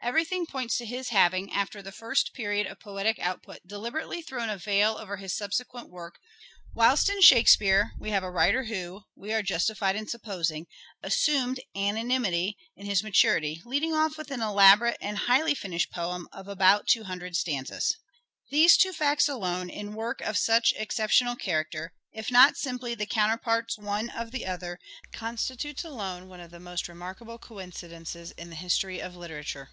Everything points to his having, after the first period of poetic output, deliberately thrown a veil over his subsequent work, whilst in " Shakespeare " we have a writer who, we are justified in supposing, assumed anonymity in his maturity, leading off with an elaborate and highly Two finished poem of about two hundred stanzas. These oTone1^1118 two ^acts al°ne» m work of such exceptional character, career. if not simply the counterparts one of the other, con stitutes alone one of the most remarkable coincidences in the history of literature.